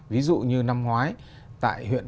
ví dụ như năm ngoái tại huyện